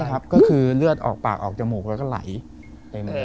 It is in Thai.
ใช่ครับก็คือเลือดออกปากออกจมูกแล้วก็ไหลไปเลย